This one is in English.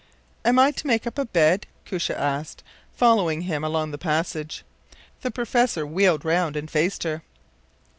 ” “Am I to make up a bed?” Koosje asked, following him along the passage. The professor wheeled round and faced her.